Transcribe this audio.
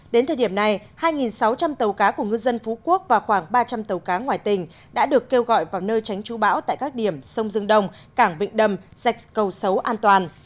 đến thời điểm này hai sáu trăm linh tàu cá của ngư dân phú quốc và khoảng ba trăm linh tàu cá ngoài tỉnh đã được kêu gọi vào nơi tránh trú bão tại các điểm sông dương đông cảng vịnh đầm sạch cầu xấu an toàn